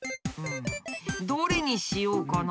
どれにしようかな。